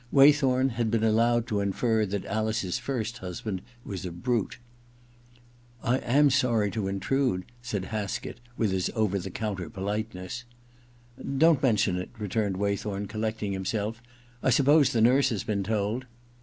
Waythorn had been allowed to infer that Alice's first husband was a brute. * I am sorry to intrude,' said Haskett, with his over the counter politeness. 58 THE OTHER TWO iii •Don't mention it/ returned Waythom, collecting himself. *I suppose the nurse has been told